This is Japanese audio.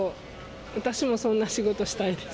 私もそんな仕事したいです。